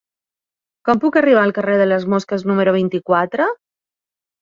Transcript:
Com puc arribar al carrer de les Mosques número vint-i-quatre?